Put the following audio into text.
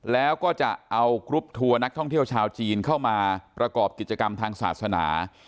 แล้วก็จะเอากรุ๊ปทัวร์นักท่องเที่ยวชาวจีนเข้ามาประกอบกิจกรรมทางศาสนา